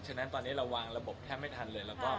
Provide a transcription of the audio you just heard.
ฉะนั้นตอนนี้เราวางระบบแทบไม่ทันเลย